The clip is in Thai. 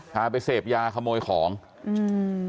พาไปเสพยาขโมยของคือ๒คนนี้เนี่ย